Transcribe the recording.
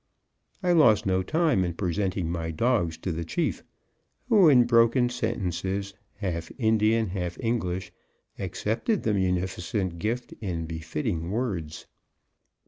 I lost no time in presenting my dogs to the chief, who in broken sentences, half Indian, half English, accepted the munificent gift in befitting words.